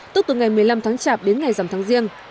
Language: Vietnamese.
tức từ ngày một mươi năm tháng chạp đến ngày giảm tháng riêng